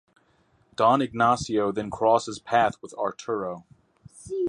Don Ignacio then crosses path with Arturo.